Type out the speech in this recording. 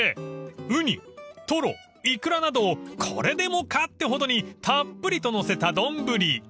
［ウニトロイクラなどをこれでもかってほどにたっぷりと載せた丼］